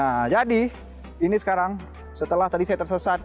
nah jadi ini sekarang setelah tadi saya tersesat